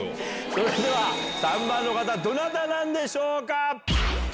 それでは３番の方どなたなんでしょうか？